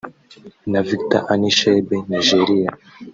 na Victor Anichebe (Nigeria)